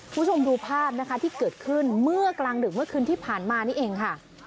คุณผู้ชมดูภาพนะคะที่เกิดขึ้นเมื่อกลางดึกเมื่อคืนที่ผ่านมานี่เองค่ะ